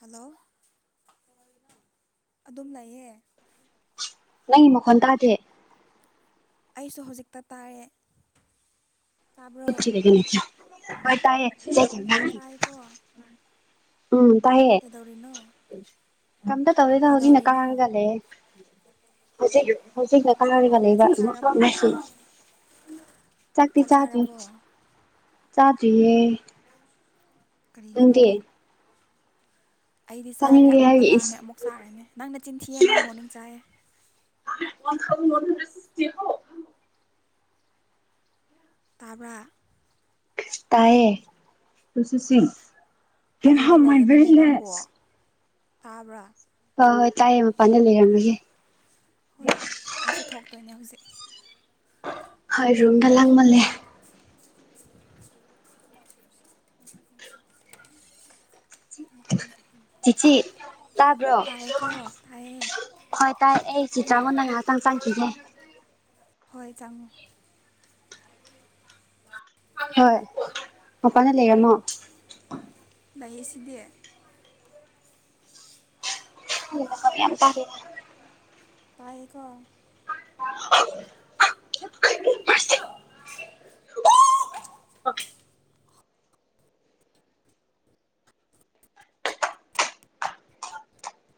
hello ꯑꯗꯨꯝ ꯂꯩꯌꯦ ꯅꯪꯒꯤ ꯃꯈꯣꯟ ꯇꯥꯗꯦ ꯑꯩꯁꯨ ꯍꯧꯖꯤꯛꯇ ꯇꯥꯏꯌꯦ [unintelligible] ꯍꯣꯏꯇꯥꯏꯌꯦ ꯇꯥꯏꯀꯣ ꯎꯝ ꯇꯥꯏꯌꯦ ꯀꯩꯗꯧꯔꯤꯅꯣ ꯀꯝꯗ ꯇꯧꯗꯦꯗ ꯍꯧꯖꯤꯛꯅ ꯀꯩꯗꯧꯔꯤꯅꯣ ꯀꯥꯔꯒꯂꯩꯌꯦ ꯍꯧꯖꯤꯛ ꯍꯧꯖꯤꯛꯅ ꯀꯥꯔꯒ ꯑꯣ ꯂꯩꯕ ꯆꯥꯛ ꯆꯥꯔꯕꯣ ꯃꯦꯁꯤ ꯆꯥꯛꯇ ꯆꯥꯛ ꯆꯥꯗꯔꯤ ꯆꯥꯔꯕꯣ ꯆꯥꯗꯔꯌꯦ ꯀꯔꯤꯒꯤꯅꯣ ꯑꯩꯗꯤ ꯆꯥꯔꯦ ꯆꯥꯅꯤꯡꯗꯦ ꯑꯃꯨꯛꯀ ꯍꯥꯏꯔꯤ ꯂꯥꯝꯃꯦ ꯏꯁ ꯑꯃꯨꯛ ꯆꯥꯔꯅꯦ ꯅꯪꯅ ꯅꯆꯤꯟꯊꯤꯌꯦ ꯅꯪ ꯃꫭꯔꯅꯤꯡ ꯆꯥꯏꯑꯦ [unintelligible] ꯇꯥꯕ꯭ꯔꯥ ꯇꯥꯏꯌꯦ ꯑꯗꯨꯗ ꯂꯩꯒꯅꯨꯅꯦ ꯅꯪꯕꯣ [unintelligible] ꯇꯥꯕ꯭ꯔꯥ ꯍꯣꯏ ꯍꯣꯏ ꯇꯥꯏꯌꯦ ꯃꯄꯥꯟꯗ ꯂꯩꯔꯝꯃꯤꯁꯦ ꯍꯣꯏ ꯑꯩꯁꯨ ꯊꯣꯛꯇꯣꯏꯅꯦ ꯍꯧꯖꯤꯛ ꯍꯣꯏ ꯔꯨꯝꯗ ꯂꯥꯡꯃꯜꯂꯦ [unintelligible] [unintelligible] [unintelligible] ꯆꯤꯆꯦ ꯇꯥꯗ꯭ꯔꯣ ꯇꯥꯏꯌꯦꯀꯣ ꯇꯥꯏꯌꯦ ꯍꯣꯏ ꯇꯥꯏ ꯑꯩ ꯆꯦ ꯆꯥꯎꯕꯅ ꯉꯥꯏꯍꯥꯛꯇꯪ ꯆꯪꯈꯤꯒꯦ ꯍꯣꯏ ꯆꯪꯉꫭ ꯍꯣꯏ ꯃꯄꯥꯟꯗ ꯂꯩꯔꯝꯃꯣ ꯂꯩꯌꯦ ꯁꯤꯗꯤ ꯅꯪꯒꯤꯗꫭ ꯒꯔꯤ ꯌꯥꯝ ꯇꯥꯗꯦꯗ ꯇꯥꯏꯌꯦ ꯀꯣ [inaudible] [unintelligible] [unintelligible]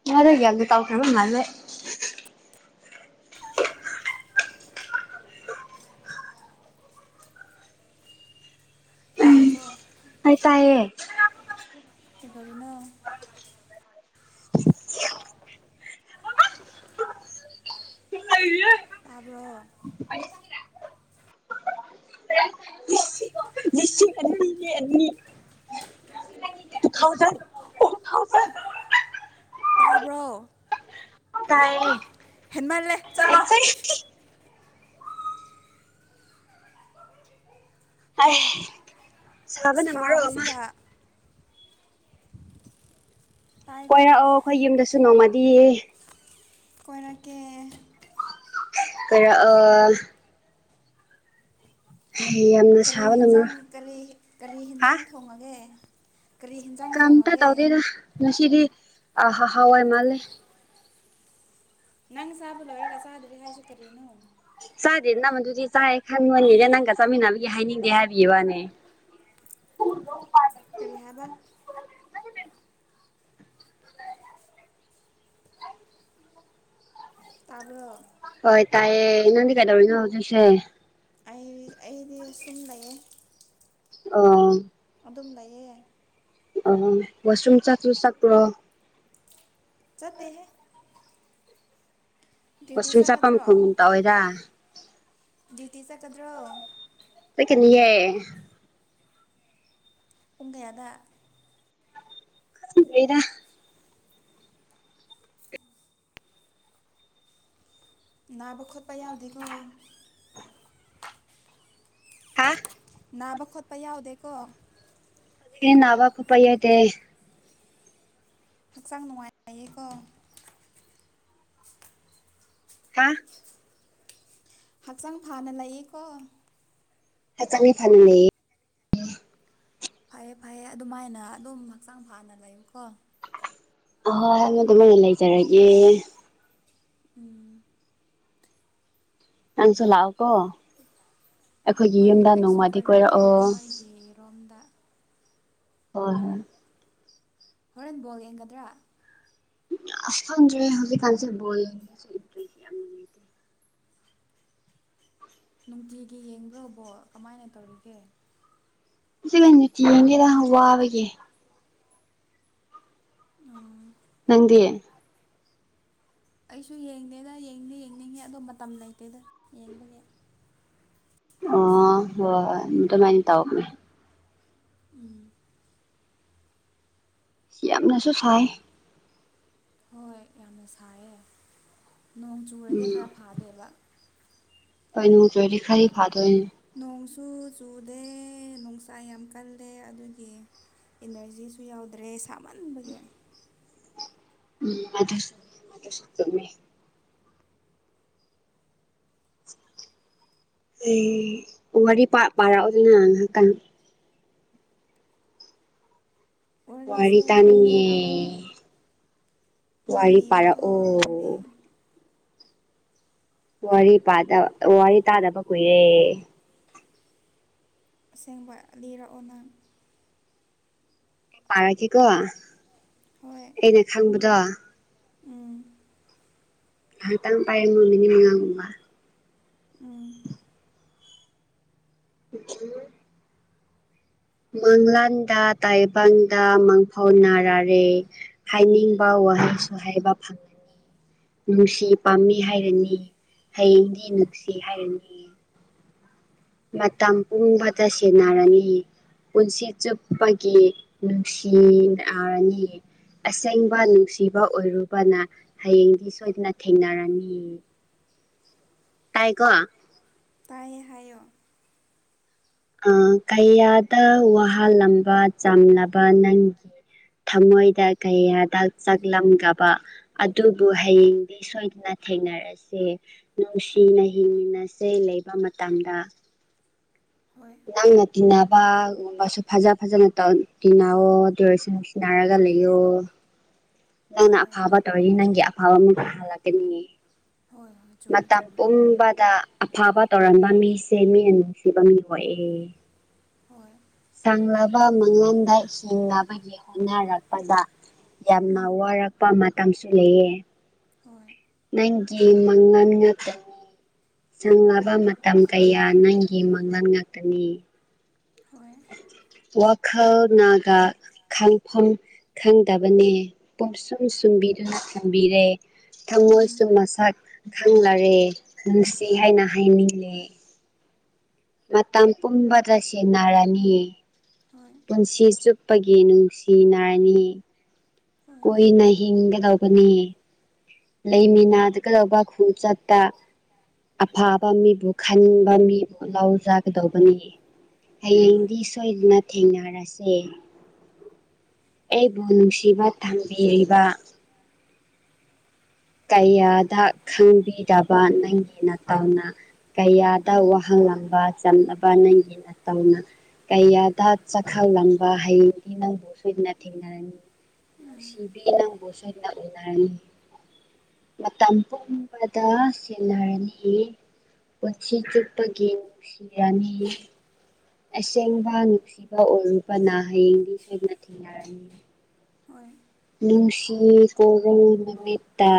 ꯅꯪ ꯑꯗꯨꯏ ꯒ꯭ꯌꯥꯟꯕꯨ ꯇꯥꯎꯈꯔꯕ ꯃꯥꯜꯂꯦ ꯇꯥꯏꯌꯦꯀꯣ ꯑꯩ ꯇꯥꯏꯌꯦ ꯀꯩꯗꯧꯔꯤꯅꯣ ꯇꯥꯕ꯭ꯔꯣ [unintelligible] ꯑꯅꯤ ꯇꯨ ꯊꯥꯎꯖꯟ [unintelligible] ꯇꯥꯕ꯭ꯔꯣ ꯇꯥꯏꯌꯦ ꯍꯦꯟꯃꯜꯂꯦ ꯆꯠꯂꯣ ꯑꯥꯍ ꯁꯥꯕꯁꯤꯒ ꯇꯥꯏꯀꯣ ꯀꯣꯏꯔꯛꯑꯣ ꯑꯩꯈꯣꯏ ꯌꯨꯝꯗꯁꯨ ꯅꯣꯡꯃꯗꯤ ꯀꯣꯏꯔꯛꯀꯦ ꯀꯣꯏꯔꯛ ꯑꯣ ꯍ ꯌꯥꯝꯅ ꯀꯔꯤ ꯁꯥꯕꯅ ꯍꯟꯖꯥꯡ ꯃꯔꯣꯜ ꯀꯔꯤ ꯀꯔꯤ ꯍꯥ ꯍꯤꯟꯖꯥꯡ ꯊꯣꯡꯉꯒꯦ ꯀꯔꯤ ꯍꯤꯟꯖꯥꯡ ꯀꯝꯇ ꯊꯣꯡꯉꯒꯦ ꯇꯧꯗꯦꯗ ꯉꯁꯤꯗꯤ ꯑ ꯍꯋꯥꯏ ꯃꯥꯂꯦ ꯅꯪ ꯆꯥꯕ ꯂꯣꯏꯔꯒ ꯆꯥꯗ꯭ꯔꯤ ꯍꯥꯏꯁꯤ ꯀꯔꯤꯅꯣ ꯆꯥꯗꯦ ꯅꯃꯗꯨꯗꯤ ꯆꯥꯏ ꯈꯟꯕꯅꯤꯅꯦ ꯅꯪꯒ ꯆꯥꯃꯤꯟꯅꯕꯒꯤ ꯍꯥꯏꯅꯤꯡꯗꯦ ꯍꯥꯏꯕꯤꯕꯋꯅꯦ ꯀꯔꯤ ꯍꯥꯏꯕ ꯇꯥꯕꯔꯣ ꯍꯣꯏ ꯇꯥꯏꯌꯦ ꯅꯪꯗꯤ ꯀꯩꯗꯧꯔꯤꯅꯣ ꯍꯧꯖꯤꯛꯁꯦ ꯑꯩ ꯑꯩꯗꯤꯁꯨꯝ ꯂꯩꯌꯦ ꯑꯣ ꯑꯗꯨꯝ ꯂꯩꯌꯦ ꯑ ꯋꯥꯁꯔꯨꯝ ꯆꯥꯛꯁꯨ ꯆꯥꯛꯄ꯭ꯔꯣ ꯆꯠꯇꯦꯍꯦ ꯗ꯭ꯌꯨꯇꯤ ꯋꯥꯁ꯭ꯔꯨꯝ ꯆꯥꯐꯝ ꯆꯠꯀꯗ꯭ꯔꯣ ꯈꯣꯡ ꯇꯧꯏꯗ ꯗ꯭ꯌꯨꯇꯤ ꯆꯠꯀꯗ꯭ꯔꯣ ꯆꯠꯀꯅꯤꯌꯦ ꯄꯨꯡ ꯀꯌꯥꯗ ꯗꯦꯗ ꯅꯥꯕ ꯈꯣꯠꯄ ꯌꯥꯎꯗꯦꯀꯣ ꯍꯥ ꯅꯥꯕ ꯈꯣꯠꯄ ꯌꯥꯎꯗꯦꯀꯣ ꯑꯦ ꯅꯥꯕ ꯈꯣꯠꯄ ꯌꯥꯗꯦ ꯍꯛꯆꯥꯡ ꯅꯨꯡꯉꯥꯏꯌꯦꯀꯣ ꯍꯥ ꯍꯛꯆꯥꯡ ꯐꯅ ꯂꯩꯌꯦꯀꯣ ꯍ ꯆꯅꯤ ꯐꯅ ꯂꯩ ꯐꯩꯌꯦ ꯐꯩꯌꯦ ꯑꯗꯨꯃꯥꯏꯅ ꯑꯗꯨꯝ ꯍꯛꯆꯥꯡ ꯐꯅ ꯂꯩꯌꯨꯀꯣ ꯑꯍꯣꯏ ꯑꯗꯨꯃꯥꯏꯅ ꯂꯩꯖꯔꯒꯦ ꯎꯝ ꯅꯪꯁꯨ ꯂꯥꯛꯑꯣꯀꯣ ꯑꯩꯈꯣꯏꯒꯤ ꯌꯨꯝꯗ ꯅꯣꯡꯃꯗꯤ ꯀꯣꯏꯔꯛꯑꯣ ꯌꯦꯔꯣꯝꯗ ꯍꯣꯏ ꯍꯣꯔꯦꯟ ꯕꯣꯜ ꯌꯦꯡꯒꯗ꯭ꯔꯥ ꯑꯁ ꯈꯪꯗꯔꯦ ꯍꯧꯖꯤꯛ ꯀꯥꯟꯁꯦ ꯕꯣꯜ ꯏꯟꯇ꯭ꯔꯦꯁ ꯌꯥꯝꯅ ꯂꯩꯇꯦ ꯅꯨꯡꯇꯤꯒꯤ ꯌꯦꯡꯕꯔꯥ ꯕꯣꯜ ꯀꯃꯥꯏꯅ ꯇꯧꯔꯤꯒꯦ ꯁꯤ ꯂꯩ ꯅꯨꯇꯤꯒꯤ ꯌꯦꯡꯗꯦꯗ ꯋꯥꯕꯒꯤ ꯑꯣ ꯅꯪꯗꯤ ꯑꯩꯁꯨ ꯌꯦꯡꯗꯦꯗ ꯌꯦꯡꯗꯤ ꯌꯦꯡꯅꯤꯡꯉꯦ ꯑꯗꯣ ꯃꯇꯝ ꯂꯩꯇꯦꯗ ꯌꯦꯡꯕꯒꯤ ꯑꯣ ꯍꯣꯏ ꯑꯗꯨꯃꯥꯏꯅ ꯇꯧꯕꯅꯦ ꯎꯝ ꯁꯤ ꯌꯥꯝꯅꯁꯨ ꯁꯥꯏ ꯍꯣꯏ ꯌꯥꯝꯅ ꯁꯥꯏꯌꯦ ꯅꯣꯡ ꯆꯨꯔꯗꯤ ꯎꯝ ꯈꯔ ꯐꯥꯗꯣꯏꯕ ꯍꯣꯏ ꯅꯣꯡ ꯆꯨꯔꯗꯤ ꯈꯔꯥꯗꯤ ꯐꯥꯗꯣꯏꯅꯦ ꯅꯣꯡꯁꯨ ꯆꯨꯗꯦ ꯅꯨꯡꯁꯥ ꯌꯥꯝ ꯀꯜꯂꯦ ꯑꯗꯨꯒꯤ ꯏꯅꯔꯖꯤꯁꯨ ꯌꯥꯎꯗ꯭ꯔꯦ ꯁꯥꯃꯟꯕꯒꯤ ꯎꯝ ꯑꯗꯨꯁꯨ ꯑꯗꯨꯁꯨ ꯆꯨꯨꯝꯃꯦ ꯑꯩ ꯋꯥꯔꯤ ꯄꯥꯥ ꯄꯥꯔꯛꯑꯣꯗꯅ ꯉꯥꯏꯍꯥꯛꯇꯡ ꯋꯥꯔꯤꯁꯦ ꯋꯥꯔꯤ ꯅꯪ ꯇꯥꯅꯤꯡꯉꯦ ꯂꯤꯔꯛꯑꯣ ꯅꯪ ꯋꯥꯔꯤ ꯂꯤꯔꯛꯑꯣ ꯋꯥꯔꯤ ꯄꯥꯔꯛꯑꯣ ꯋꯥꯔꯤ ꯄꯥꯗꯥ ꯋꯥꯔꯤ ꯇꯥꯗꯕ ꯀꯨꯏꯔꯦ ꯑꯁꯦꯡꯕ ꯂꯤꯔꯛꯑꯣ ꯅꯪ ꯄꯥꯔꯛꯀ‌ꯦꯀꯣ ꯍꯣꯏ ꯑꯩꯅ ꯈꯪꯕꯗꯣ ꯎꯝ ꯉꯍꯥꯛꯇꯡ ꯄꯥꯏꯔꯝꯃꯣ ꯃꯤꯅꯤꯠ ꯃꯉꯥꯒꯨꯝꯕ ꯎꯝ [unintelligible] ꯃꯪꯂꯥꯟꯗ ꯇꯥꯏꯕꯪꯗ ꯃꯥꯡꯐꯥꯎꯅꯥꯔꯔꯦ ꯍꯥꯏꯅꯤꯡꯕ ꯋꯥꯍꯪꯁꯨ ꯍꯥꯏꯕ ꯐꯪꯉꯤ ꯅꯨꯡꯁꯤ ꯄꯥꯝꯕꯤ ꯍꯥꯏꯔꯅꯤ ꯍꯌꯦꯡꯗꯤ ꯅꯨꯡꯁꯤ ꯍꯥꯏꯔꯅꯤ ꯃꯇꯝ ꯄꯨꯝꯕꯗ ꯁꯦꯟꯅꯔꯅꯤ ꯄꯨꯟꯁꯤ ꯆꯨꯞꯄꯒꯤ ꯅꯨꯡꯁꯤꯅꯔꯅꯤ ꯑꯁꯦꯡꯕ ꯅꯨꯡꯁꯤꯕ ꯑꯣꯏꯔꯨꯕꯅ ꯍꯌꯦꯡꯗꯤ ꯁꯣꯏꯗꯅ ꯊꯦꯡꯅꯔꯅꯤ ꯇꯥꯏꯀꯣ ꯇꯥꯏꯌꯦ ꯍꯥꯏꯌꯣ ꯀꯌꯥꯗ ꯋꯥꯍꯜꯂꯝꯕ ꯆꯝꯂꯕ ꯅꯪꯒꯤ ꯊꯃꯣꯏꯗ ꯀꯌꯥꯗ ꯆꯥꯛꯂꯝꯒꯕ ꯑꯗꯨꯕꯨ ꯍꯌꯦꯡꯗꯤ ꯁꯣꯏꯗꯅ ꯊꯦꯡꯅꯔꯤ ꯑꯁꯦ ꯅꯨꯡꯁꯤꯅ ꯍꯤꯡꯃꯤꯟꯅꯁꯦ ꯂꯩꯕ ꯃꯇꯝꯗ ꯍꯣꯏ ꯅꯪꯅ ꯇꯤꯟꯅꯕ ꯕꯁꯨ ꯐꯖ ꯐꯖꯅ ꯇꯧ ꯇꯤꯟꯅꯑꯣ ꯑꯗꯣꯑꯣꯏꯔꯥꯁꯤ ꯁꯤꯟꯅꯔꯒ ꯂꯩꯑꯣ [inaudible] ꯅꯪꯅ ꯑꯐꯥꯕ ꯇꯧꯔꯤ ꯅꯪꯒꯤ ꯑꯐꯥꯕ ꯑꯃ ꯐꯥꯍꯜꯂꯛꯀꯅꯤ ꯍꯣꯏ ꯍꯣꯏ ꯆꯨꯝꯃꯦ ꯃꯇꯝ ꯆꯨꯝꯃꯦ ꯄꯨꯝꯕꯗ ꯑꯐꯕ ꯇꯧꯔꯝꯕ ꯃꯤꯁꯦ ꯃꯤꯅ ꯅꯨꯡꯁꯤꯕ ꯃꯤ ꯍꯣꯏꯑ‌ꯦ ꯍꯣꯏ ꯀꯪꯂꯕ ꯃꯉꯟꯗ ꯍꯤꯡꯅꯕꯒꯤ ꯍꯣꯠꯅꯔꯛꯄꯗ ꯌꯥꯝꯅ ꯋꯥꯔꯛꯄ ꯃꯇꯝꯁꯨ ꯂꯩꯌꯦ ꯍꯣꯏ ꯅꯪꯒꯤ ꯃꯪꯉꯟ ꯉꯥꯛꯇꯥ ꯆꯪꯂꯕ ꯃꯇꯝ ꯀꯌꯥ ꯅꯪꯒꯤ ꯃꯥꯡꯂꯟ ꯉꯥꯛꯇꯅꯤ ꯍꯣꯏ ꯋꯥꯈꯜ ꯅꯥꯒꯥ ꯈꯥꯡꯐꯝ ꯈꯪꯗꯕꯅꯦ ꯄꯣꯠꯁꯨꯝ ꯁꯨꯝꯕꯤꯗꯨꯅ ꯊꯝꯕꯤꯔꯦ ꯎꯝ ꯊꯃꯣꯏꯁꯨ ꯃꯁꯛ ꯈꯪꯂꯔꯦ ꯅꯨꯡꯁꯤ ꯍꯥꯏꯅ ꯍꯥꯏꯅꯤꯡꯂꯦ ꯃꯇꯝ ꯄꯨꯝꯕꯗ ꯁ‌ꯦꯟꯅꯔꯅꯤ ꯍꯣꯏ ꯄꯨꯟꯁꯤ ꯆꯨꯞꯄꯒꯤ ꯅꯨꯡꯁꯤꯅꯥꯔꯅꯤ ꯍꯣꯏ ꯀꯨꯏꯅ ꯍꯤꯡꯒꯗꯧꯕꯅꯤ ꯂꯩꯃꯤꯅꯥꯗꯒꯗꯧꯕ ꯈ‌ꯣꯡꯆꯠꯇ ꯑꯐꯕ ꯃꯤꯕꯨ ꯈꯟꯕ ꯃꯤꯕꯨ ꯂꯧ ꯆꯥꯒꯗꯧꯕꯅꯤ ꯍꯣꯏ ꯍꯌꯦꯡꯗꯤ ꯁꯣ ꯁꯣꯏꯗꯅ ꯊꯦꯡꯅꯔꯁꯦ ꯑꯩꯕꯨ ꯅꯨꯡꯁꯤꯕ ꯇꯝꯕꯤꯔꯤꯕ ꯀꯌꯥꯗ ꯈꯪꯕꯤꯗꯕ ꯅꯪꯒꯤ ꯅꯇꯥꯎꯅ ꯀꯌꯥꯗ ꯋꯥꯍꯜ ꯂꯕ ꯆꯝꯅꯕ ꯅꯪꯒꯤ ꯅꯇꯧꯅ ꯀꯌꯥꯗ ꯆꯥꯛꯈꯪꯂꯝꯕ ꯍꯩꯡꯗꯤ ꯅꯪꯕꯨ ꯁꯣꯏꯗꯅ ꯊꯦꯡꯅꯔꯅꯤ ꯅꯨꯡꯁꯤꯕꯤ ꯅꯪꯕꯨ ꯁꯣꯏꯗꯅ ꯎꯅꯔꯅꯤ ꯃꯇꯝ ꯄꯨꯝꯕꯗ ꯁꯦꯟꯅꯔꯅꯤ ꯄꯨꯟꯁꯤ ꯆꯨꯞꯄꯒꯤ ꯅꯨꯡꯁꯤꯔꯅꯤ ꯑꯁꯦꯡꯕ ꯅꯨꯡꯁꯤꯕ ꯑꯣꯏꯔꯨꯕꯅ ꯍꯌꯦꯡꯗꯤ ꯁꯣꯏꯅ ꯊꯦꯡꯅꯔꯅꯤ ꯍꯣꯏ ꯅꯨꯡꯁꯤ ꯀꯣꯔꯧ ꯅꯨꯃꯤꯠꯇ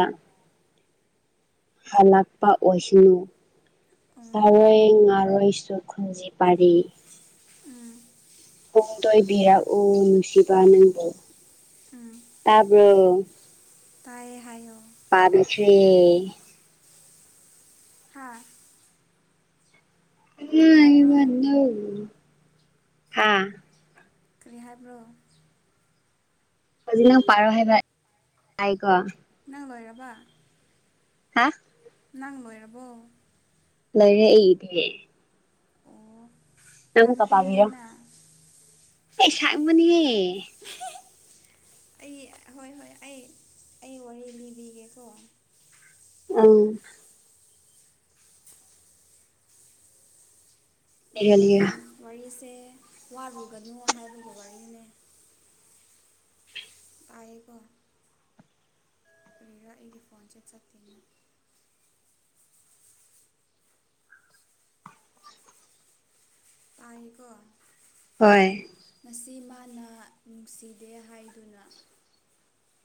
ꯍꯜꯂꯛꯄ ꯑꯣꯏꯁꯅꯨ ꯎꯝ ꯆꯔꯣꯏ ꯉꯥꯔꯣꯏꯁꯨ ꯈꯨꯟꯖꯤ ꯄꯥꯔꯤ ꯎꯝ ꯄꯣꯡꯗꯣꯏꯕꯤꯔꯛ ꯎ ꯅꯨꯡꯁꯤꯕ ꯅꯪꯕꯨ ꯎꯝ ꯇꯥꯕꯔꯣ ꯇꯥꯢꯌꯦ ꯍꯥꯏꯌꯣ ꯄꯥꯔꯤꯁꯦ ꯍꯥꯥ ꯀꯔꯤ ꯍꯥꯏꯕ꯭ꯔꯣ [unintelligible] ꯍꯥ ꯀꯔꯤ ꯍꯥꯏꯕ꯭ꯔꯣ ꯍꯧꯖꯤꯛ ꯅꯪ ꯄꯥꯔꯣ ꯍꯥꯏꯕ ꯇꯥꯏꯀꯣ ꯅꯪ ꯂꯣꯏꯔꯕ ꯍꯥ ꯅꯪ ꯂꯣꯏꯔꯕꯣ ꯂꯩ ꯑꯩꯒꯤꯗꯤ ꯑꯣ ꯌꯥꯝ ꯑꯥꯃꯨꯛꯀ ꯄꯥꯕꯤꯔꯣ ꯄꯦꯜꯂꯦꯅ ꯑꯩ ꯁꯥꯡꯕꯅꯤꯍꯦ ꯑꯩ ꯍꯣꯏ ꯍꯣꯏ ꯑꯩ ꯑꯩ ꯋꯥꯔꯤ ꯂꯤꯕꯤꯒꯦꯀꯣ ꯅꯪ ꯎ ꯂꯤꯔꯣ ꯂꯤꯔꯣ ꯋꯥꯔꯤꯁꯦ ꯋꯥꯔꯨꯒꯅꯨ ꯍꯥꯏꯕꯒꯤ ꯋꯥꯔꯤꯅꯦ ꯇꯥꯏꯌꯦꯀꯣ ꯀꯔꯤꯔꯥ ꯑꯩꯒꯤ ꯐꯣꯟꯀꯦ ꯆꯠꯇꯦꯅꯦ ꯇꯥꯢꯀꯣ ꯍꯣꯏ ꯃꯁꯤ ꯃꯥꯅ ꯅꯨꯡꯁꯤꯗꯦ ꯍꯥꯏꯗꯨꯅ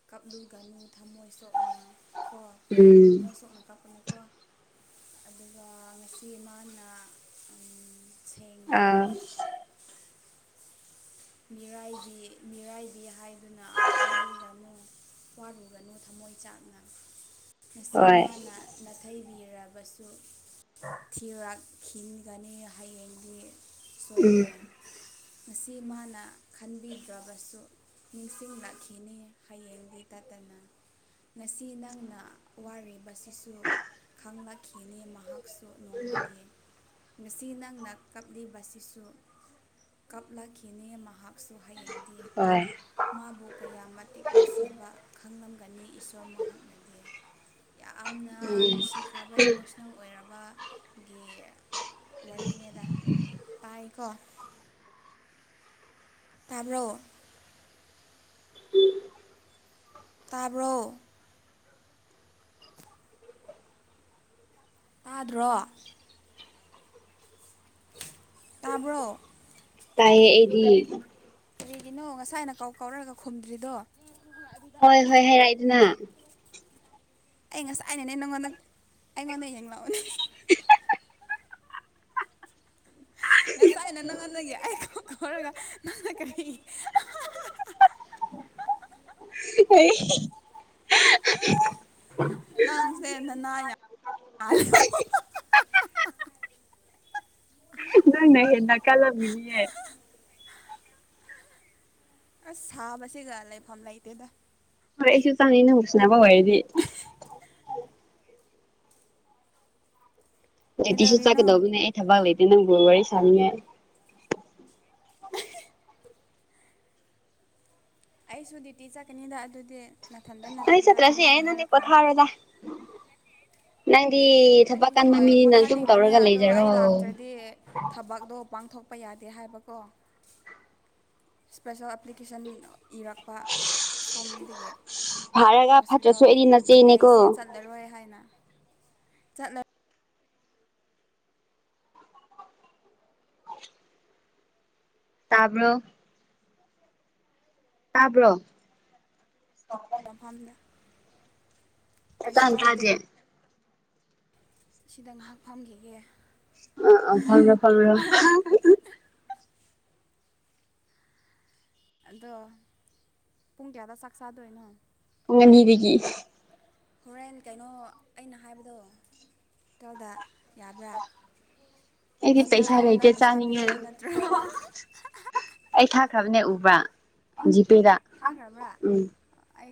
ꯀꯥꯞꯂꯨꯒꯅꯨ ꯊꯝꯃꯣꯏ ꯁꯣꯛꯅ ꯀꯣ ꯎꯝ ꯊꯝꯃꯣꯏ ꯁꯣꯛꯅ ꯀꯥꯞꯄꯅꯨꯀꯣ ꯑꯗꯨꯒ ꯉꯁꯤ ꯃꯥꯅ ꯁꯦꯡꯗꯦꯅꯦ ꯑꯥ ꯃꯤꯔꯥꯏꯕꯤ ꯃꯤꯔꯥꯏꯕꯤ ꯍꯥꯏꯗꯨꯅ ꯋꯥꯔꯨꯒꯅꯨ ꯋꯥꯔꯨꯒꯅꯨ ꯊꯝꯃꯣꯏ ꯆꯥꯛꯅ ꯉꯁꯤ ꯍꯣꯏ ꯃꯥꯅ ꯅꯥꯊꯩꯕꯤꯔꯕꯁꯨ ꯊꯤꯔꯥꯛ ꯈꯤꯟꯒꯅꯤ ꯍꯌꯦꯡꯗꯤ ꯎꯝ ꯁꯣꯏꯗꯅ ꯉꯁꯤ ꯃꯥꯅ ꯅꯪꯅ ꯈꯟꯕꯤꯗ꯭ꯔꯕꯁꯨ ꯅꯤꯡꯁꯤꯡꯂꯛꯈꯤꯅꯤ ꯍꯌꯦꯡꯗꯤ ꯇꯠꯇꯅ ꯉꯁꯤ ꯅꯪꯅ ꯋꯥꯔꯤꯕꯁꯤꯁꯨ ꯈꯪꯂꯛꯈꯤꯅꯤ ꯃꯍꯥꯛ ꯃꯍꯥꯛꯁꯨ ꯅꯣꯡꯃꯗꯤ ꯉꯁꯤ ꯅꯪꯅ ꯀꯞꯂꯤꯕꯁꯤꯁꯨ ꯀꯞꯂꯛꯈꯤ ꯃꯍꯥꯛꯁꯨ ꯍꯌꯦꯡꯗꯤ ꯍꯣꯢ ꯃꯥꯕꯨ ꯀꯌꯥ ꯃꯇꯤꯛ ꯅꯨꯡꯁꯤꯕ ꯈꯪꯂꯝꯒꯅꯤ ꯏꯁꯣꯔ ꯃꯍꯥꯛꯅꯗꯤ ꯌꯥꯝꯅ ꯅꯨꯡꯁꯤꯈ꯭ꯔꯕ ꯏꯃꯣꯁꯅꯦꯜ ꯑꯣꯏꯔꯕ ꯒꯤ ꯋꯥꯔꯤꯅꯦꯗꯥꯏ ꯇꯥꯏꯀꯣ ꯇꯥꯕ꯭ꯔꯣ ꯇꯥꯕ꯭ꯔꯣ ꯇꯥꯗ꯭ꯔꯣ ꯇꯥꯕ꯭ꯔꯣ ꯇꯥꯏꯌꯦ ꯑꯩꯗꯤ ꯀꯔꯤꯒꯤꯅꯣ ꯉꯁꯥꯏꯅ ꯀꯧ ꯀꯧꯔꯒ ꯈꯨꯝꯗ꯭ꯔꯤꯗꯣ [unintelligible] ꯍꯣꯏ ꯍꯣꯏ ꯍꯥꯏꯔꯛꯑꯦꯗꯅ ꯑꯩ ꯉꯁꯥꯏꯅꯅꯦ ꯅꯪꯉꯣꯟꯗ ꯑꯩꯉꯣꯟꯗ ꯌꯦꯡꯂꯛꯑꯣꯅꯦ ꯉꯁꯥꯏꯅ ꯅꯪꯉꯟꯗꯒꯤ ꯑꯩ ꯀꯧ ꯀꯧꯔꯒ ꯅꯪꯅ ꯀꯔꯤ ꯍꯥ ꯍꯥ ꯍꯥ [unintelligible] ꯍ ꯑꯩ ꯍꯍ ꯅꯪꯁꯦ ꯅꯅꯥ ꯌꯥꯝ [unintelligible] ꯅꯪꯅ ꯍꯦꯟꯅ ꯀꯜꯂꯝꯒꯤꯅꯤꯌꯦ ꯑꯁ ꯁꯥꯕꯁꯤꯒ ꯂꯩꯐꯝ ꯂꯩꯇꯦꯗ ꯍꯣꯏ ꯑꯩꯁꯨ ꯆꯪꯅꯤ [unintelligible] ꯑꯣꯏꯔꯗꯤ ꯇꯤꯁꯨ ꯀꯩꯗꯧꯔꯤꯅꯣ ꯆꯠꯀꯗꯧꯕꯅꯦ ꯑꯩ ꯊꯕꯛ ꯂꯩꯇꯦ ꯅꯪ ꯒ ꯋꯥꯔꯤ ꯁꯥꯅꯤꯡꯉꯥꯏ ꯑꯩꯁꯨ ꯗ꯭ꯌꯨꯇꯤ ꯆꯠꯀꯅꯤꯗ ꯑꯗꯨꯗꯤ ꯅꯥꯊꯟꯗ ꯑꯩ ꯅꯠꯇꯦꯗ ꯆꯠꯇ꯭ꯔꯁꯨ ꯌꯥꯏꯌꯦ ꯑꯗꯨꯃꯥꯏꯅ ꯅꯪꯗꯤ ꯍꯥꯏꯔꯛꯀꯅꯨꯗ ꯄꯣꯊꯥꯔꯣꯗ ꯅꯪꯗꯤ ꯊꯕꯛ ꯑꯩ ꯀꯟꯕ ꯍꯣꯏ ꯃꯤꯅꯤꯅ ꯑꯗꯨꯝ ꯄꯣꯊꯥꯅꯤꯡꯕꯅꯦ ꯇꯧꯔꯒ ꯑꯗꯣ ꯂꯩꯖꯔꯣ ꯑꯩ ꯂꯥꯛꯇ꯭ꯔꯗꯤ ꯊꯕꯛꯇꯣ ꯄꯥꯡꯊꯣꯛꯄ ꯌꯥꯗꯦ ꯍꯥꯏꯕꯀꯣ ꯏꯁꯄꯦꯁꯦꯜ ꯑꯦꯄ꯭ꯂꯤꯀꯦꯁꯟ ꯏꯔꯛꯄ ꯁꯣꯝꯗꯒꯤ ꯐꯔꯒ ꯐꯠꯇ꯭ꯔꯁꯨ ꯑꯩꯗꯤ ꯍꯣꯁꯄꯤꯇꯥꯜꯗꯒꯤ ꯑꯗꯨꯒꯤ ꯅꯆꯦꯅꯦꯀꯣ ꯑꯩꯁꯦ ꯆꯠꯂꯔꯣꯏ ꯍꯥꯏꯅ ꯆꯠꯂ ꯇꯥꯕ꯭ꯔꯣ ꯇꯥꯕ꯭ꯔꯣ ꯃꯐꯝꯗ ꯀꯩꯁꯨ [unintelligible] ꯀꯥꯏꯗꯦ ꯇꯥꯗꯦ ꯁꯤꯗ ꯉꯍꯥꯛ ꯐꯝꯈꯤꯒꯦ ꯑ ꯑ ꯐꯝꯔꯣ ꯐꯝꯔꯣ ꯑꯗꯣ ꯄꯨꯡ ꯀꯌꯥꯗ ꯆꯥꯛ ꯆꯥꯗꯣꯏꯅꯣ ꯄꯨꯡ ꯑꯅꯤꯗꯒꯤ ꯍꯣꯔꯦꯟ ꯀꯩꯅꯣ ꯑꯩꯅ ꯍꯥꯏꯕꯗꯣ ꯍꯣꯇꯦꯜꯗ ꯌꯥꯕ꯭ꯔꯥ ꯑꯩꯗꯤ ꯉꯁꯤ ꯅꯪ ꯄꯩꯁꯥ ꯂꯩꯇꯦ ꯑꯩꯉꯣꯟꯗ ꯄꯩꯁꯥ ꯆꯥꯅꯤꯡꯉꯦ ꯄꯤꯗꯣꯏ ꯅꯠꯇ꯭ꯔꯣ ꯑꯩ ꯊꯥꯈ꯭ꯔꯕꯅꯦ ꯎꯕ꯭ꯔꯥ ꯑ ꯖꯤꯄꯦꯗ ꯊꯥꯈ꯭ꯔꯕ꯭ꯔꯥ ꯎꯝ ꯑꯩ